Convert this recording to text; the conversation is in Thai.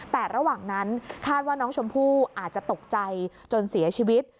แต่ระหว่างนั้นคาดว่าน้องชมพู่อาจจะตกใจจนเสียชีวิต